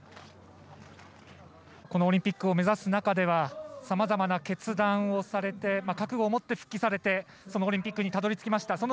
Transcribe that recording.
このオリンピックを目指す中ではさまざまな決断をされて覚悟をもって復帰されてそのオリンピックにたどり着きました。